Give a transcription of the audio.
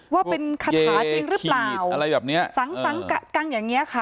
ว่าเป็นคาถาจริงหรือเปล่าอะไรแบบเนี้ยสังสังกะกังอย่างเงี้ยค่ะ